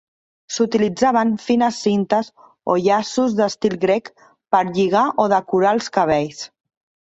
S'utilitzaven fines cintes o llaços d'estil grec per lligar o decorar els cabells.